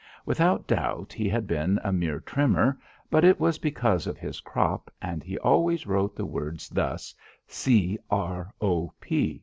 Without doubt he had been a mere trimmer, but it was because of his crop and he always wrote the word thus: C R O P.